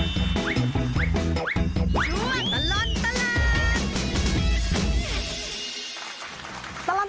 ช่วยตลอดตลาด